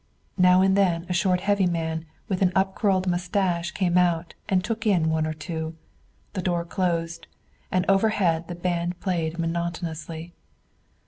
Now and then a short heavy man with an upcurled mustache came out and took in one or two. The door closed. And overhead the band played monotonously.